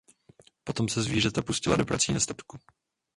Potom se zvířata pustila do prací na statku.